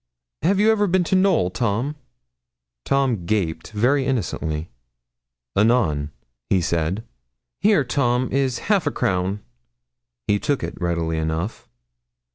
'Have you ever been to Knowl, Tom?' Tom gaped very innocently. 'Anan,' he said. 'Here, Tom, is half a crown.' He took it readily enough.